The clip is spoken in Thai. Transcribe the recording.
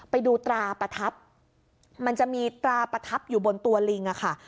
ไปดูตราประทับมันจะมีตราประทับอยู่บนตัวลิงอะค่ะ